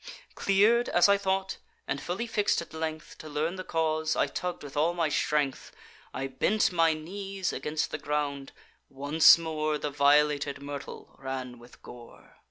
Clear'd, as I thought, and fully fix'd at length To learn the cause, I tugged with all my strength: I bent my knees against the ground; once more The violated myrtle ran with gore.